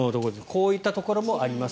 こういったところもあります。